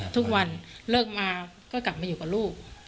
ทุกวันเลิกมาก็กลับมาอยู่กับลูก